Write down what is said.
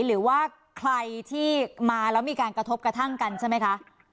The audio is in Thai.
หรือว่าใครที่มาแล้วมีการกระทบกระทั่งกันใช่ไหมคะ